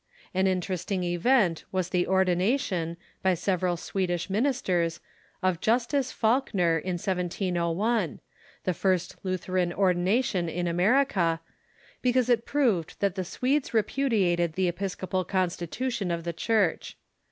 An interesting event was the ordination, by several Swedish ministers, of Jus tus Falknerin 1701 — the first Lutheran ordination in America — because it proved that the Swedes repudiated the Episcopal constitution of the Church.